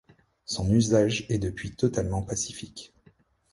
Son usage est depuis totalement pacifique.